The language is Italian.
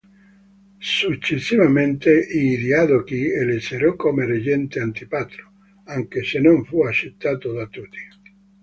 Successivamente i Diadochi elessero come reggente Antipatro, anche se non fu accettato da tutti.